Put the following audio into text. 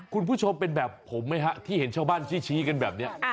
คุณผู้ชมเป็นแบบผมไหมฮะที่เห็นชาวบ้านชี้กันแบบนี้